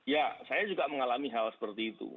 ya saya juga mengalami hal seperti itu